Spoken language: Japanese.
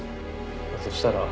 そしたら。